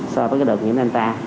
so với cái đợt nhiễm delta